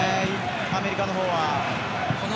アメリカの方は。